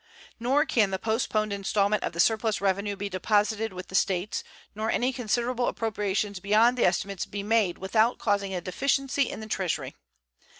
Nor can the postponed installment of the surplus revenue be deposited with the States nor any considerable appropriations beyond the estimates be made without causing a deficiency in the Treasury.